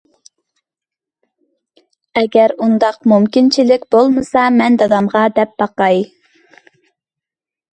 ئەگەر ئۇنداق مۇمكىنچىلىك بولمىسا مەن دادامغا دەپ باقاي.